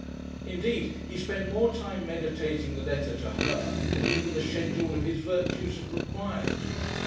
Indeed he spent more time meditating the letter to her than even the schedule of his virtues had required.